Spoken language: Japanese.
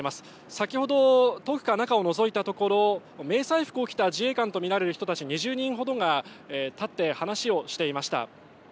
先ほど遠くから中をのぞいたところ迷彩服を着た自衛官と見られる人たち２０人ほどが立って話をしていました。